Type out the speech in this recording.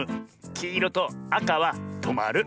きいろとあかは「とまる」。